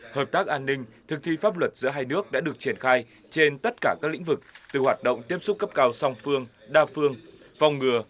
hợp tác an ninh thực thi pháp luật giữa hai nước đã được triển khai trên tất cả các lĩnh vực từ hoạt động tiếp xúc cấp cao song phương đa phương phòng ngừa